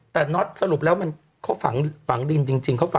แต่แน็ทสรุปแล้วมันข้อฝังดินจริงนะ